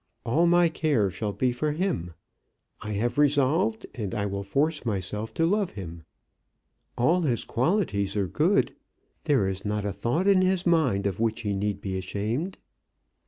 All my care shall be for him. I have resolved, and I will force myself to love him. All his qualities are good. There is not a thought in his mind of which he need be ashamed."